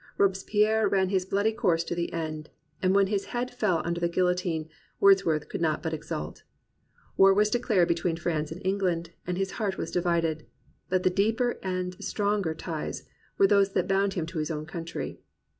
Robespierre ran his bloody course to the end; and when his head fell under the guil lotine, Wordsworth could not but exult. War was declared between France and England, and his heart was divided; but the deeper and stronger ties were those that bound him to his own country.